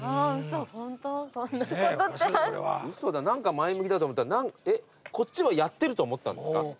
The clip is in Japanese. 何か前向きだと思ったらこっちはやってると思ったんですか？